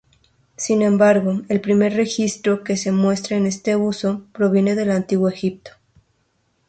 Sin embargo, el primer registro que muestra este uso, proviene del Antiguo Egipto.